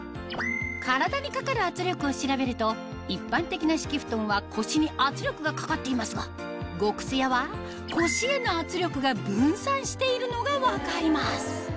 体にかかる圧力を調べると一般的な敷布団は腰に圧力がかかっていますが極すやは腰への圧力が分散しているのが分かります